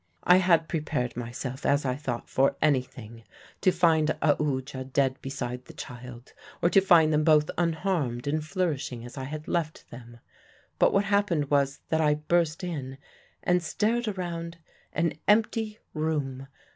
"I had prepared myself (as I thought) for anything to find Aoodya dead beside the child, or to find them both unharmed and flourishing as I had left them. But what happened was that I burst in and stared around an empty room.